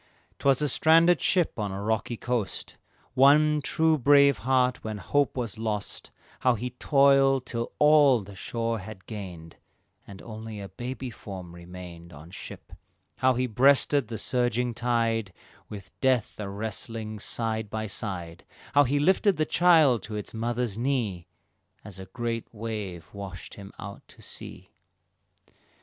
'Twas a stranded ship on a rocky coast, One true heart brave, when hope was lost, How he toiled till all the shore had gained, And only a baby form remained On ship, how he breasted the surging tide With Death a wrestling side by side, How he lifted the child to its mother's knee, As a great wave washed him out to sea.